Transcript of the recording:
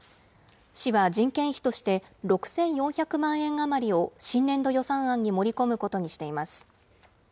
市は、人件費として６４００万円余りを新年度予算案に盛り込むことにしています。